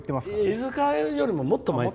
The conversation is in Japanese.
飯塚よりも、もっと。